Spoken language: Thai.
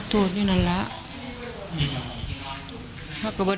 ไม่รู้จริงว่าเกิดอะไรขึ้น